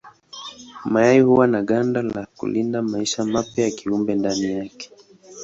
Mayai huwa na ganda ya kulinda maisha mapya ya kiumbe ndani yake.